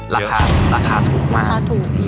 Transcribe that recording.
ราคาถูกมาก